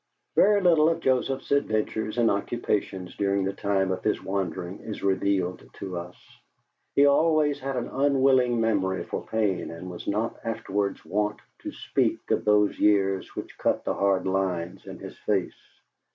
Very little of Joseph's adventures and occupations during the time of his wandering is revealed to us; he always had an unwilling memory for pain and was not afterwards wont to speak of those years which cut the hard lines in his face.